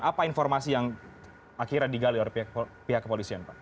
apa informasi yang akhirnya digali oleh pihak kepolisian pak